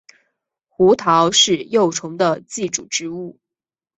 胡桃是幼虫的寄主植物。